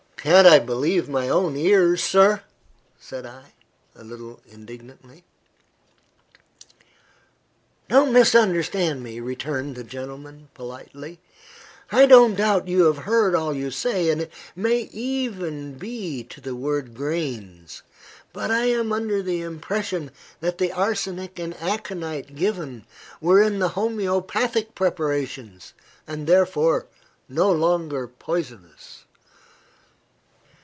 "Can't I believe my own ears, sir?" said I, a little indignantly. "Don't misunderstand me," returned the gentleman, politely. "I don't doubt you have heard all you say, and it may be even to the word grains; but I am under the impression that the arsenic and aconite given were in the homoeopathic preparations, and therefore no longer poisonous."